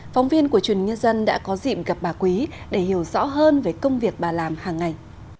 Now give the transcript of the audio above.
phóng viên của truyền nhân dân đã có dịm gặp bà quý để hiểu rõ hơn về công việc bà làm hàng ngày